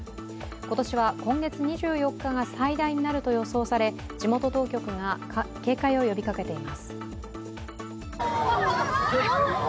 今年は今月２４日が最大になると予想され地元当局が警戒を呼びかけています。